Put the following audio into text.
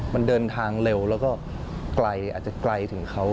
มันเดินทางเร็วแล้วก็ไกลอาจจะไกลถึงเขา